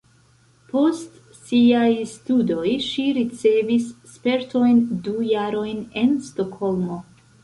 Post siaj studoj ŝi ricevis spertojn du jarojn en Stokholmo.